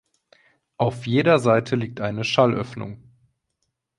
Auf jeder Seite liegt eine Schallöffnung.